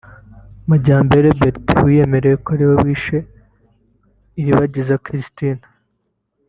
Majyambere Bertin wiyemerera ko ari we wishe Iribagiza Christine